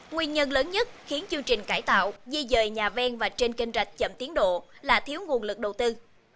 nguyên nhân lớn nhất khiến chương trình cải tạo di dời nhà ven và trên kênh rạch chậm tiến độ là thiếu nguồn lực đầu tư